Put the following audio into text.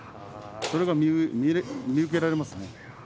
それが見受けられますね。